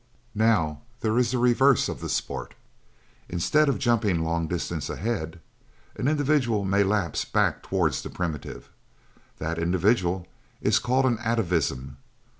"Now, there is the reverse of the sport. Instead of jumping long distance ahead, an individual may lapse back towards the primitive. That individual is called an atavism.